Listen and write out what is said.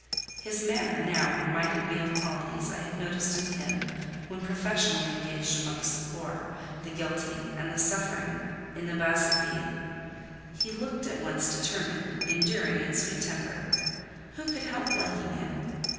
His manner, now, reminded me of qualities I had noticed in him when professionally engaged amongst the poor, the guilty, and the suffering, in the Basse Ville: he looked at once determined, enduring, and sweet tempered. Who could help liking him?